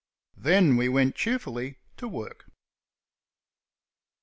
Then we went cheerfully to work.